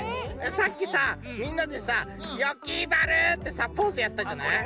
さっきさみんなでさ「よきまる！」ってポーズやったじゃない。